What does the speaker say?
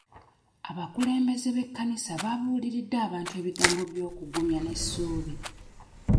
Abakulembeze b'ekkanisa babuuliridde abantu ebigambo by'okugumya n'essuubi.